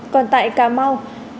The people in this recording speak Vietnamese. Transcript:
còn tại cà mau